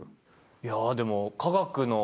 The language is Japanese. いやでも科学の。